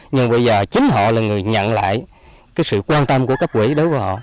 nhưng bây giờ chính họ là người nhận lại cái sự quan tâm của cấp quỹ đối với họ